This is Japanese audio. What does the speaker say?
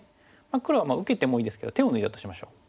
黒は受けてもいいですけど手を抜いたとしましょう。